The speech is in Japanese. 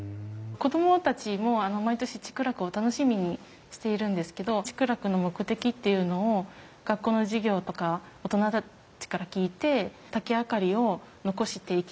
子供たちも毎年竹楽を楽しみにしているんですけど竹楽の目的っていうのを学校の授業とか大人たちから聞いて竹明かりを残していきたい